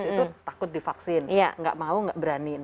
itu takut divaksin nggak mau nggak berani